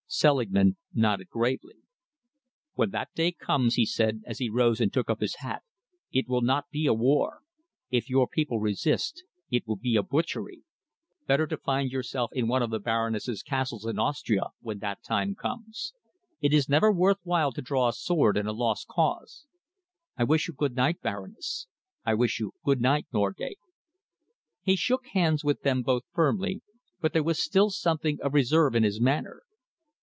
Selingman nodded gravely. "When that day comes," he said, as he rose and took up his hat, "it will not be a war. If your people resist, it will be a butchery. Better to find yourself in one of the Baroness' castles in Austria when that time comes! It is never worth while to draw a sword in a lost cause. I wish you good night, Baroness. I wish you good night, Norgate." He shook hands with them both firmly, but there was still something of reserve in his manner.